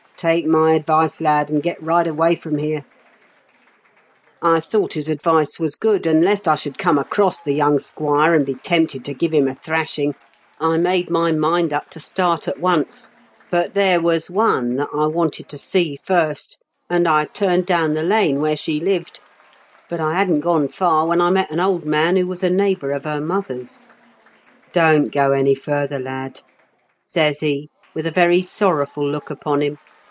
Take my advice, lad, and get right away from here/ " I thought his advice was good, and, lest I should come across the young squire, and be tempted to give him a thrashing, I made my mind up to start at once. But there was one that I wanted to see first, and I turned down the lane where she lived; but I hadn't gone far when I met an old man who was a neighbour of her mother's. "* Don't go any further, kd,' says he, with a very sorrowful look upon him.